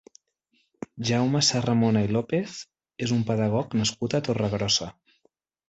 Jaume Sarramona i López és un pedagog nascut a Torregrossa.